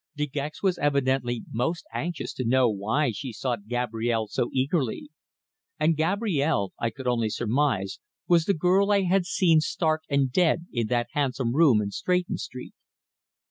De Gex was evidently most anxious to know why she sought Gabrielle so eagerly. And Gabrielle, I could only surmise, was the girl I had seen stark and dead in that handsome room in Stretton Street.